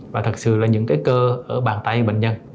và thật sự là những cái cơ ở bàn tay bệnh nhân